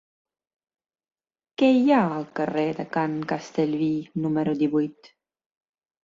Què hi ha al carrer de Can Castellví número divuit?